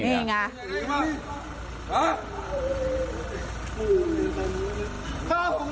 มันยังไงบ้าง